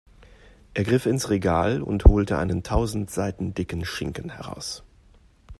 Er griff ins Regal und holte einen tausend Seiten dicken Schinken heraus.